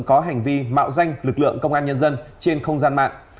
có hành vi mạo danh lực lượng công an nhân dân trên không gian mạng